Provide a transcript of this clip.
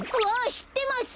しってます！